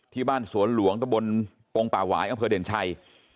ที่บ้านสวนหลวงตะบนปงป่าหวายอำเภอเด่นชัย